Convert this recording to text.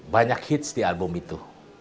banyak hits di album itu